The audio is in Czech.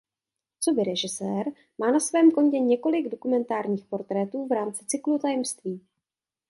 Coby režisér má na svém kontě několik dokumentárních portrétů v rámci cyklu Tajemství.